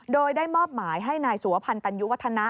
โดยได้มอบหมายให้นายสุวพันธัญญุวัฒนะ